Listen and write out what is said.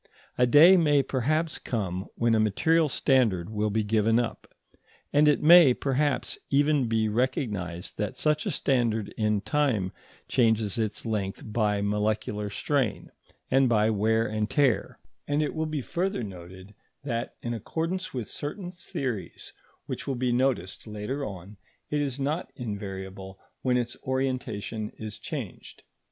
A day may perhaps come when a material standard will be given up, and it may perhaps even be recognised that such a standard in time changes its length by molecular strain, and by wear and tear: and it will be further noted that, in accordance with certain theories which will be noticed later on, it is not invariable when its orientation is changed.